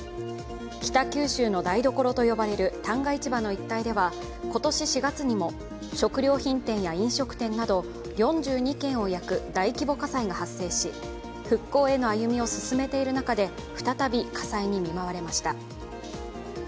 北九州の台所と呼ばれる旦過市場の一帯では今年４月にも、食料品店や飲食店など４２軒を焼く大規模火災が発生し復興への歩みを進めている中で再び火災に見舞われました。